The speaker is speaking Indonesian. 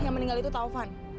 yang meninggal itu taufan